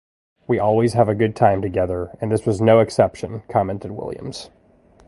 We always have a good time together and this was no exception, commented Williams.